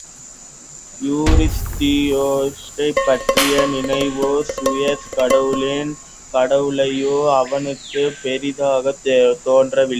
யூரிஸ்தியஸைலப் பற்றிய நினைவோ, சீயஸ் கடவுளின் கட்டளையோ அவனுக்குப் பெரிதாகத் தோன்றவில்லை.